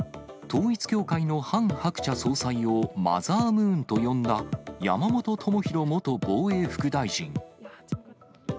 統一教会のハン・ハクチャ総裁をマザームーンと呼んだ、山本朋広元防衛副大臣。